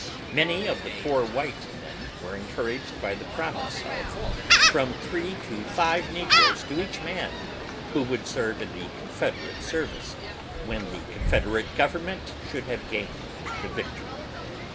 Many of the poor white men were encouraged by the promise of from three to five negroes to each man who would serve in the Confederate service, when the Confederate government should have gained the victory.